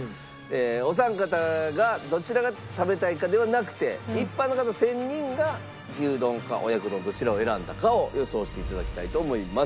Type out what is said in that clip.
お三方がどちらが食べたいかではなくて一般の方１０００人が牛丼か親子丼どちらを選んだかを予想して頂きたいと思います。